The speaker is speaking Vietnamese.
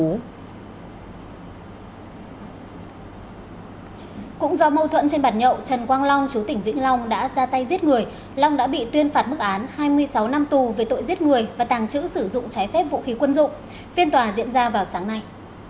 cũng do mâu thuẫn trên bản nhậu trần quang long chú tỉnh vĩnh long đã ra tay giết người long đã bị tuyên phạt mức án hai mươi sáu năm tù về tội giết người và tàng trữ sử dụng trái phép vũ khí quân dụng phiên tòa diễn ra vào sáng nay